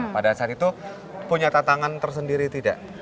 pada saat itu punya tatangan tersendiri tidak